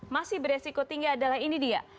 masih beresiko tinggi adalah ini dia